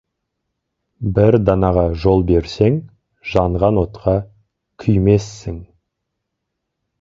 Бір данаға жол берсең, жанған отқа күймессің.